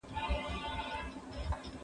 دغه کوچنی تر پخوا دونه ښه سوی دی چي حد نلري.